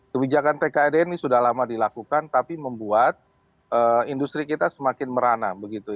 kebijakan tkdn ini sudah lama dilakukan tapi membuat industri kita semakin merana begitu